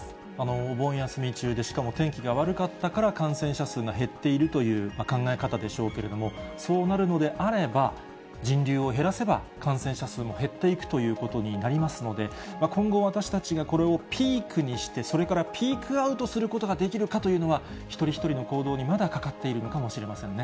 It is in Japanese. お盆休み中で、しかも天気が悪かったから感染者数が減っているという考え方でしょうけれども、そうなるのであれば、人流を減らせば、感染者数も減っていくということになりますので、今後、私たちがこれをピークにして、それからピークアウトすることができるかというのは、一人一人の行動にまだかかっているのかもしれませんね。